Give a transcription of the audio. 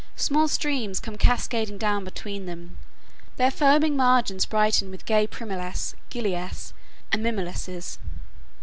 Small streams come cascading down between them, their foaming margins brightened with gay primulas, gilias, and mimuluses.